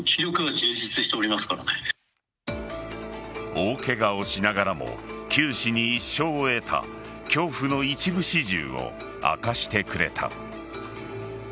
大ケガをしながらも九死に一生を得た恐怖の一部始終を明かしてくれた。